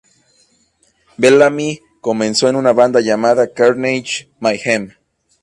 Bellamy comenzó en una banda llamada "Carnage Mayhem.